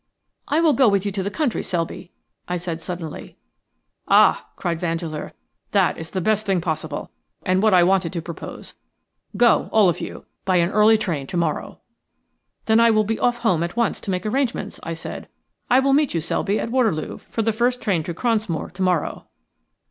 "I will go with you to the country, Selby," I said, suddenly. "Ah!" cried Vandeleur, "that is the best thing possible, and what I wanted to propose. Go, all of you, by an early train to morrow." "Then I will be off home at once to make arrangements," I said. "I will meet you, Selby, at Waterloo for the first train to Cronsmoor to morrow."